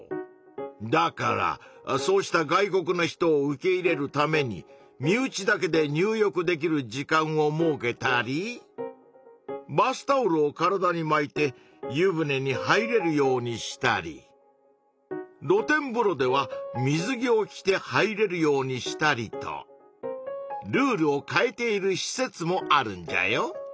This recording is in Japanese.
だからそうした外国の人を受け入れるために身内だけで入浴できる時間を設けたりバスタオルを体にまいて湯船に入れるようにしたりろ天ぶろでは水着を着て入れるようにしたりとルールを変えているし設もあるんじゃよ。